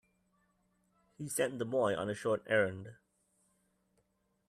He sent the boy on a short errand.